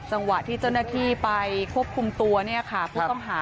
จังหวะที่เจ้าหน้าที่ไปควบคุมตัวผู้ต้องหา